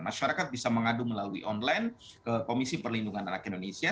masyarakat bisa mengadu melalui online ke komisi perlindungan anak indonesia